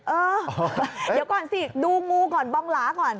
เออเดี๋ยวก่อนสิดูงูก่อนบองหลาก่อน